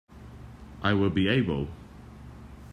I will be able!